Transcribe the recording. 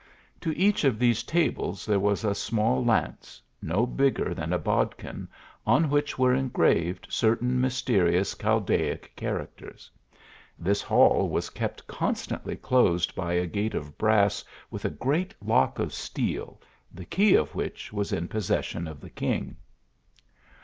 To each of these tables there was a small lance, no bigger than a bodkin, on which were engraved certain mysterious Chaldaic characters. This hall was kept constantly closed by a gate of brass with a great lock of steel, the key of which was in possession of the king.